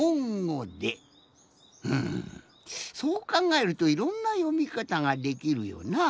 うんそうかんがえるといろんなよみかたができるよなあ。